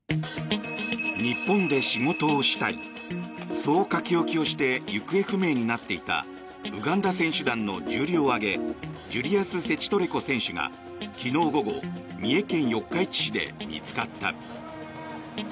そう書き置きをして行方不明になっていたウガンダ選手団の重量挙げジュリアス・セチトレコ選手が昨日午後、三重県四日市市で見つかった。